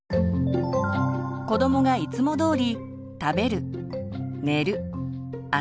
子どもがいつも通り食べる寝る遊ぶ